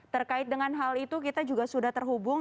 terkait dengan hal itu kita juga sudah terhubung